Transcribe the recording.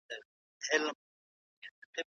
د اسلام مبارک دين د انسانیت ژغورونکی دی.